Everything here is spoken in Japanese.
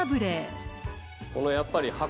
このやっぱり箱。